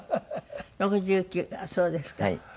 ６９ああそうですか。